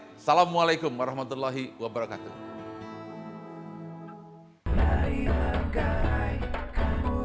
assalamualaikum warahmatullahi wabarakatuh